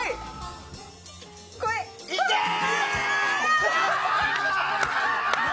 いけー！